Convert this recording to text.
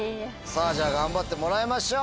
じゃあ頑張ってもらいましょう。